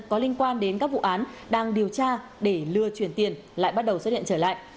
có liên quan đến các vụ án đang điều tra để lừa chuyển tiền lại bắt đầu xuất hiện trở lại